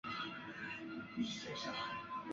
分配帐会在公司完成计算纯利后才出现。